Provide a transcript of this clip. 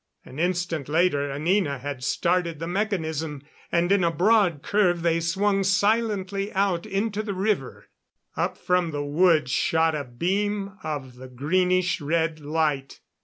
An instant later Anina had started the mechanism, and in a broad curve they swung silently out into the river. Up from the woods shot a beam of the greenish red light.